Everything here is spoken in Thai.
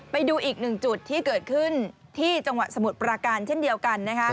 ไปดูอีกหนึ่งจุดที่เกิดขึ้นที่จังหวัดสมุทรปราการเช่นเดียวกัน